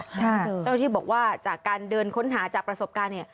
เจ้าหน้าที่บอกว่าจากการเดินค้นหาจากประสบการณ์เนี่ย